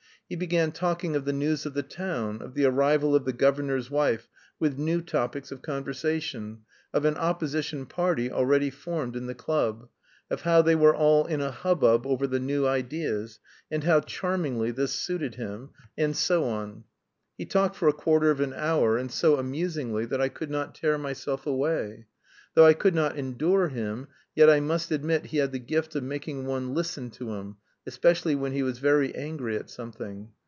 He began talking of the news of the town, of the arrival of the governor's wife, "with new topics of conversation," of an opposition party already formed in the club, of how they were all in a hubbub over the new ideas, and how charmingly this suited him, and so on. He talked for a quarter of an hour and so amusingly that I could not tear myself away. Though I could not endure him, yet I must admit he had the gift of making one listen to him, especially when he was very angry at something.